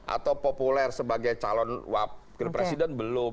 atau populer sebagai calon wakil presiden belum